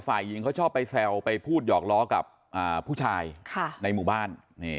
ฝ่ายหญิงเขาชอบไปแซวไปพูดหยอกล้อกับผู้ชายในหมู่บ้าน